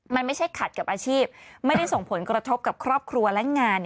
มันไม่ใช่ขัดกับอาชีพไม่ได้ส่งผลกระทบกับครอบครัวและงาน